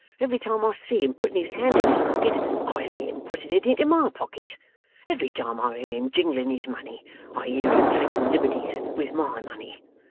Every time I see him putting his hand in his pocket, I see him putting it into my pocket. Every time I hear him jingling his money, I hear him taking liberties with my money.